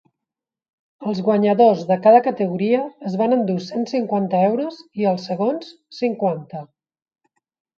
Els guanyadors de cada categoria es van endur cent cinquanta euros i els segons, cinquanta.